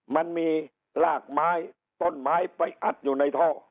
มันมีรากไม้ต้นไม้ไปอัดอยู่ในท่อ